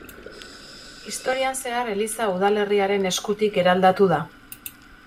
Historian zehar eliza udalerriaren eskutik eraldatu da.